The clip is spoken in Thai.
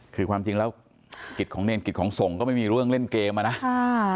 คือความจริงแล้วกิจของเนรกิจของส่งก็ไม่มีเรื่องเล่นเกมอะนะ